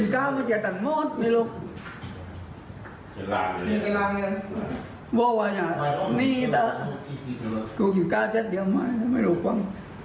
กินล่าเงินผ่อว่าอย่างงี้ด่ะตัวอยู่ก้าแย่แจ้นเดียวว่ามั้ยไม่รู้ของ